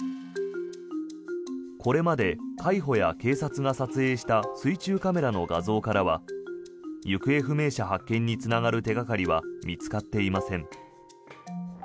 これまで海保や警察が撮影した水中カメラの画像からは行方不明者発見につながる手掛かりは見つかっていません。